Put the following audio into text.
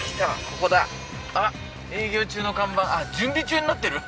ここだあっ営業中の看板あっ準備中になってる？